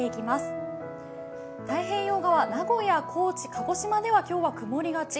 太平洋側、名古屋、高知、鹿児島では、今日は曇りがち。